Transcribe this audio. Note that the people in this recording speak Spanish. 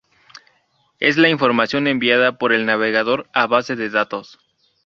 Es la información enviada por el navegador a la base de datos.